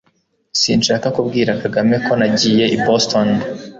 Sinshaka kubwira Kagame ko nagiye i Boston